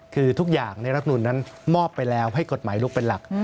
คือทุกอย่างในรัฐนุนนั้นมอบไปแล้วให้กฎหมายลุกเป็นหลัก